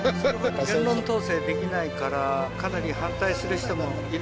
言論統制できないからかなり反対する人もいるだろうね。